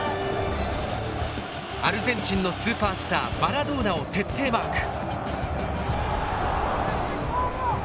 アルゼンチンのスーパースターマラドーナを徹底マーク。